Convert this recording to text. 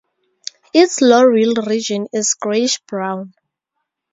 Its loreal region is grayish brown.